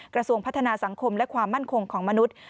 กระทรวงพัฒนาสังคมและความมั่นคงของมนุษย์